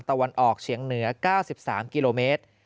ไปทางตะวันออกเฉียงเหนือ๙๓กิโลเมตร